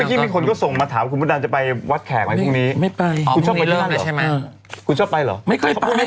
มีคุณต้านจะไปวรรตร์แขะคงที